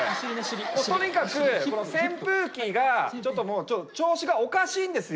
もうとにかくこの扇風機がちょっと調子がおかしいんですよ。